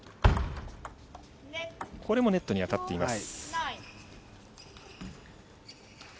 これもネットに当たっています。